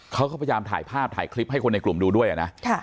เขาก็พยายามถ่ายภาพถ่ายคลิปให้คนในกลุ่มดูด้วยนะ